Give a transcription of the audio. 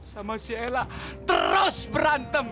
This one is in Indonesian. sama si ipan berantem